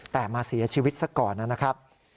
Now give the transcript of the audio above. แต่มาเสียชีวิตซะก่อนนะครับ